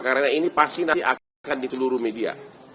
karena ini pasti nanti akan di seluruh media